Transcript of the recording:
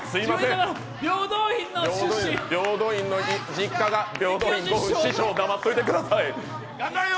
実家が平等院５分、師匠黙っといてくださいよ！